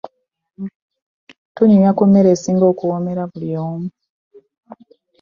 Twanyumya ku mmere esinga okuwoomera buli omu.